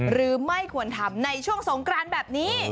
หรือไม่ควรทำในช่วงสงกรานแบบนี้